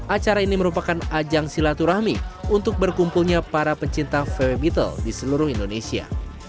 acara ini merupakan ajang silaturahmi untuk berkumpulnya para pecinta vw beetle di seluruh indonesia